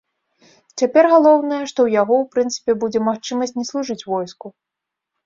Цяпер галоўнае, што ў яго ў прынцыпе будзе магчымасць не служыць у войску.